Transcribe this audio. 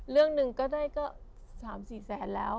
เรื่องหนึ่งก็ได้ก็๓๔แสนแล้ว